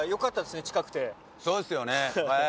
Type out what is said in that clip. そうですよねええ。